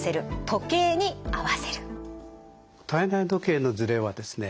体内時計のズレはですね